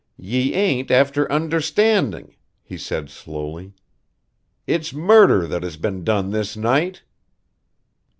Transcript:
"Ye ain't after understanding" he said slowly. "It's murder that has been done this night."